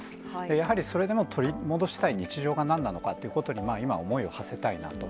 やはりそれでも取り戻したい日常がなんなのかっていうことに、今、思いをはせたいなと。